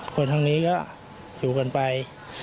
คนทางนี้ก็อยู่กันไป